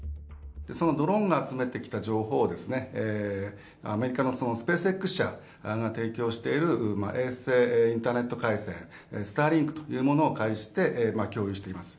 そのドローンが集めてきた情報を、アメリカのスペースＸ社が提供している衛星インターネット回線、スターリンクというものを介して、共有しています。